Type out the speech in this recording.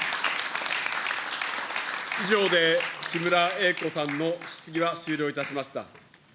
以上で木村英子さんの質疑は終了いたしました。